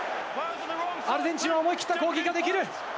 アルゼンチンは思い切った攻撃ができる。